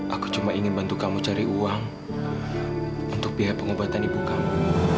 aku cuma ingin bantu kamu cari uang untuk biaya pengobatan ibu kamu